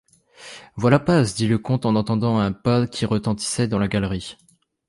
Voilà Paz, dit le comte en entendant un pas qui retentissait dans la galerie.